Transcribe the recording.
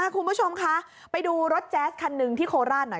คุณผู้ชมคะไปดูรถแจ๊สคันหนึ่งที่โคราชหน่อย